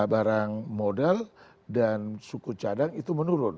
barang modal dan suku cadang itu menurun